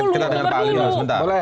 bukan dengar dulu